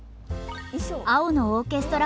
「青のオーケストラ」